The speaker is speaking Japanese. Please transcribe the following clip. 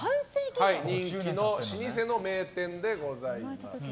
人気の老舗の名店でございます。